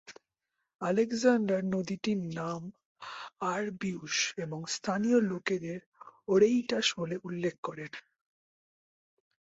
Alexander নদীটির নাম Arabius এবং স্থানীয় লোকেদের ওরেইটাস বলে উল্লেখ করেন।